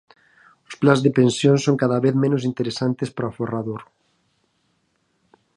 Os plans de pensións son cada vez menos interesantes para o aforrador.